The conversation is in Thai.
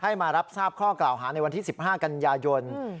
ให้มารับทราบข้อกล่าวหาในวันที่สิบห้ากันยายนอืม